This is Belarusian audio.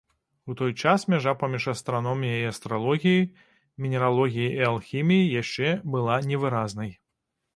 У той час мяжа паміж астраноміяй і астралогіяй, мінералогіяй і алхіміяй яшчэ была невыразнай.